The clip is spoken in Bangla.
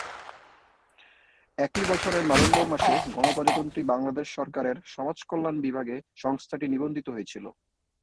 একই বছরের নভেম্বর মাসে গণপ্রজাতন্ত্রী বাংলাদেশ সরকারের সমাজকল্যাণ বিভাগে সংস্থাটি নিবন্ধিত হয়েছিল।